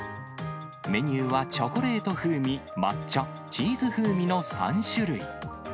メニューはチョコレート風味、抹茶、チーズ風味の３種類。